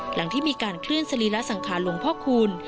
หลังที่มีการเคลื่อนสรีระสังขารหลวงพ่อคูณ